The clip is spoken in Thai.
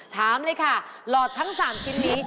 ถามเลยค่ะหลอดทั้ง๓ชิ้นนี้